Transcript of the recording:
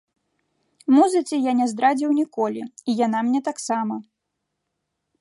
Музыцы я не здрадзіў ніколі, і яна мне таксама.